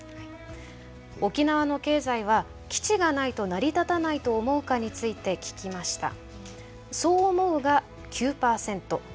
「沖縄の経済は基地がないと成り立たないと思うか」について聞きました。